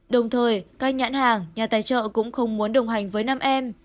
đồng thời các nhãn hàng nhà tài trợ cũng không muốn đồng hành với năm em